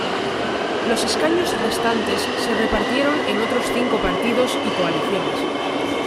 Los escaños restantes se repartieron en otros cinco partidos y coaliciones.